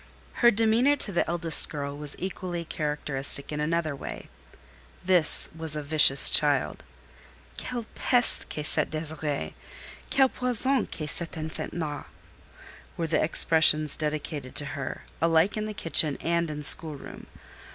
Her demeanour to the eldest girl was equally characteristic in another way. This was a vicious child. "Quelle peste que cette Désirée! Quel poison que cet enfant là!" were the expressions dedicated to her, alike in kitchen and in schoolroom.